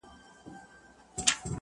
گرانه دا اوس ستا د ځوانۍ په خاطر ـ